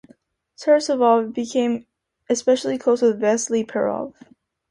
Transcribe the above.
Savrasov became especially close with Vasily Perov.